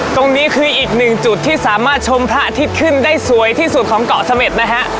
ตรงนี้คืออีกหนึ่งจุดที่สามารถชมพระอาทิตย์ขึ้นได้สวยที่สุดของเกาะเสม็ดนะฮะ